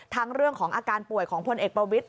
เรื่องของอาการป่วยของพลเอกประวิทธิ